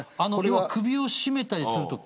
要は首を絞めたりすると血管が。